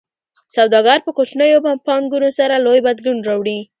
سوداګر په کوچنیو پانګونو سره لوی بدلون راوړي.